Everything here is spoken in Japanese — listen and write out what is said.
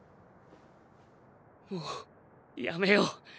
もうやめよう。